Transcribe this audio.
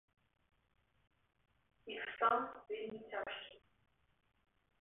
Іх стан вельмі цяжкі.